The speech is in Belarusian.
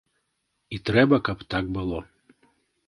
І трэба, каб так было.